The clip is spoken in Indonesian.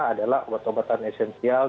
adalah obat obatan esensial